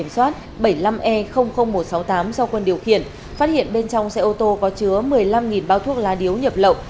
xoát bảy mươi năm e một trăm sáu mươi tám do quân điều khiển phát hiện bên trong xe ô tô có chứa một mươi năm bao thuốc lá điếu nhập lậu